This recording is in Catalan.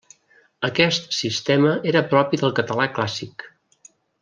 Aquest sistema era propi del català clàssic.